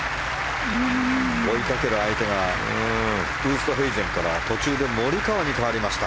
追いかける相手がウーストヘイゼンから途中でモリカワに変わりました。